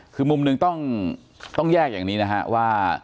คือมุมหนึ่งต้องแยกอย่างนี้นะฮะว่า